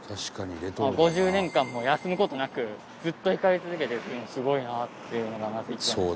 ５０年間も休む事なくずっと光り続けてるっていうのがすごいなっていうのがまず一番ですね。